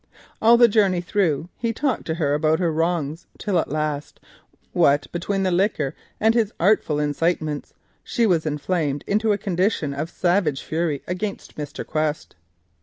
All the journey through he talked to her about her wrongs, till at last, what between the liquor and his artful incitements, she was inflamed into a condition of savage fury against Mr. Quest.